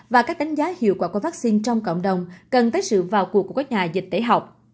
và các đánh giá hiệu quả của vaccine trong cộng đồng cần tới sự vào cuộc của các nhà dịch tễ học